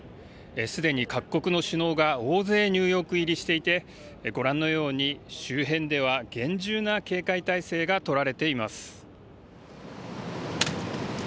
すでに各国の首脳が大勢、ニューヨーク入りしていてご覧のように周辺では厳重な警戒態勢が取られています。